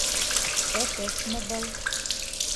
Әтәсме был...